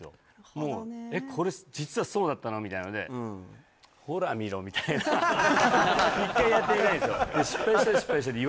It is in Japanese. もうえっこれ実はそうだったのみたいなのでみたいな一回やってみたいんですよ